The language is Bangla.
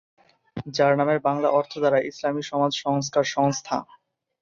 যার নামের বাংলা অর্থ দাঁড়ায় ইসলামী সমাজ সংস্কার সংস্থা।